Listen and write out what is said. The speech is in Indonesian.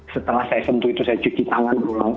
setelah saya sentuh itu saya cuci tangan ulang ulang saya